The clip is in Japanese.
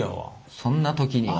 そんな時には。